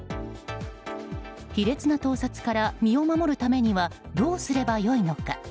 卑劣な盗撮から身を守るためにはどうすれば良いのか。